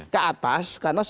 ke atas karena super